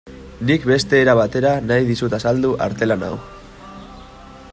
Nik beste era batera nahi dizut azaldu artelan hau.